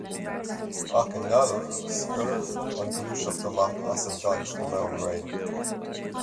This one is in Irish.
Ach i nGaillimh, sciorr an Ghluaiseacht amach as an gcaint go mall réidh.